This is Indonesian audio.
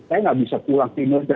saya nggak bisa pulang ke indonesia